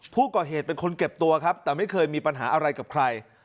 ผู้ก่อเหตุเป็นคนเก็บตัวครับแต่ไม่เคยมีปัญหาอะไรกับใคร